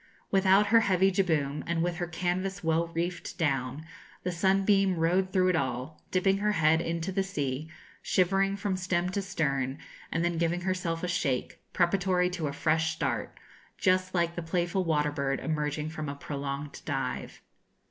Without her heavy jibboom, and with her canvas well reefed down, the 'Sunbeam' rode through it all, dipping her head into the sea, shivering from stem to stern, and then giving herself a shake, preparatory to a fresh start, just like a playful water bird emerging from a prolonged dive.